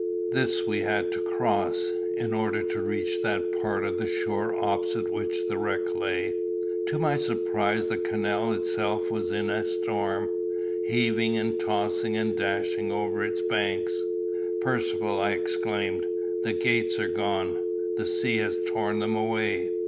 This we had to cross, in order to reach that part of the shore opposite which the wreck lay. To my surprise the canal itself was in a storm, heaving and tossing and dashing over its banks. "Percivale," I exclaimed, "the gates are gone; the sea has torn them away."